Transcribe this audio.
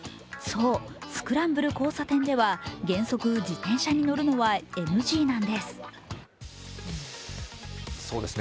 そう、スクランブル交差点では原則自転車に乗るのはＮＧなんです。